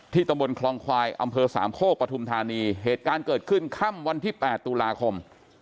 ตำบลคลองควายอำเภอสามโคกปฐุมธานีเหตุการณ์เกิดขึ้นค่ำวันที่๘ตุลาคม